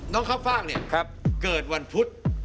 น้องข้าวฟากเนี่ยเกิดวันพุธครับ